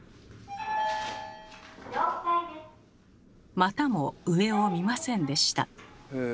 またも上を見ませんでした。